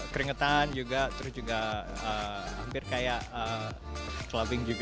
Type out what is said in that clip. keringetan juga terus juga hampir kayak cloving juga